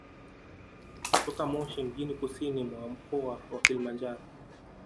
Kutoka Moshi mjini kusini mwa mkoa wa Kilimanjaro